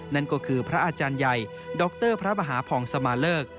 นั่นก็คือพระอาจารย์ใหญ่ดรพระมหาผ่องสมาเลิก